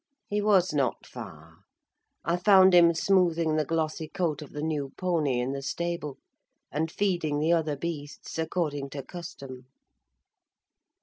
He was not far; I found him smoothing the glossy coat of the new pony in the stable, and feeding the other beasts, according to custom.